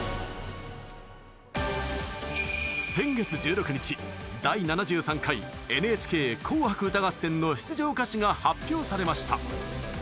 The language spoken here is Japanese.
先月１６日「第７３回ＮＨＫ紅白歌合戦」の出場歌手が発表されました。